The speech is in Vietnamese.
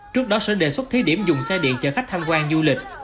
trước đó sẽ đề xuất thiết điểm dùng xe điện chở khách tham quan du lịch